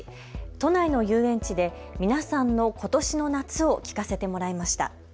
都内の遊園地で皆さんのことしの夏を聞かせてもらいました。